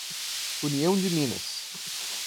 União de Minas